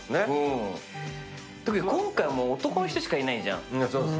特に今回もう男の人しかいないじゃん。